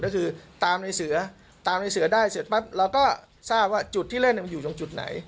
ก็คือตามในเสือตามในเสือได้เสร็จปั๊บเราก็ทราบว่าจุดที่เล่นมันอยู่ตรงจุดไหน